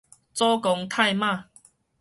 祖公太媽